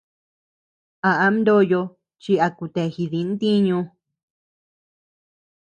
A am ndoyo chi a kutea jidi ntiñu.